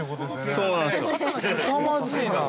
◆そうなんですよ。